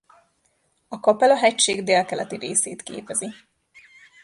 A Kapela-hegység délkeleti részét képezi.